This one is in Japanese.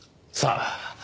さあ。